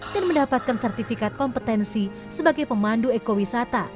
dan mendapatkan sertifikat kompetensi sebagai pemandu ekowisata